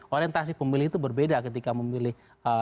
orientasi pemilih itu berbeda ketika memilih